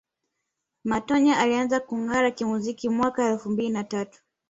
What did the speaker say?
Matonya alianza kungara kimuziki mwaka elfu mbili na tatu